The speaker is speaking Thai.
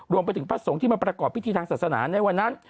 รวมไปถึงพระสงฆ์ที่มาประกอบพิธีทางศาสนาในวันนั้น